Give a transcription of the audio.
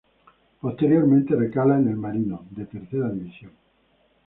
Posteriormente recala en el Marino, de Tercera División.